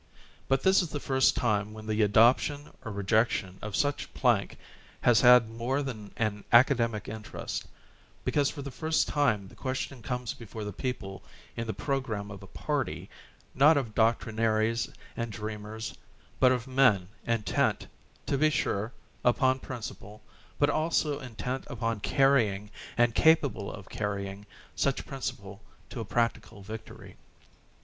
But this is the first time when the adoption or rejection of such plank has had more than an academic interest, because for the first time the ques tion comes before the people in the program of a party, not of doctrinairies and dreamers, but of men, intent, to be sure, upon principle, but also intent upon carrying, and capable of carrying, such principle to a practical victory.